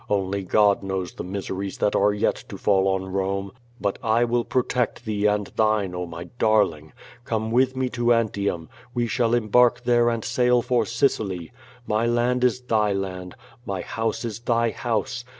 Only God knows the miseries that are yet to fall on Rome. But I will protect thee and thine, oh, my darling! Come with me to Antium. We shall embark there and sail for Sicily. My land is thy land, my house is thy house.